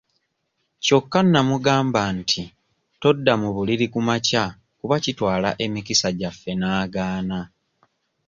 Kyokka namugamba nti todda mu buliri ku makya kuba kitwala emikisa gyaffe n'agaana.